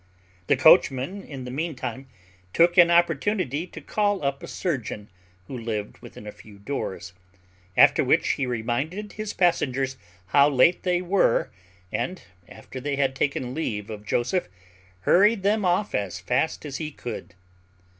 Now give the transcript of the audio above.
The coachman, in the meantime, took an opportunity to call up a surgeon, who lived within a few doors; after which, he reminded his passengers how late they were, and, after they had taken leave of Joseph, hurried them off as fast as he could.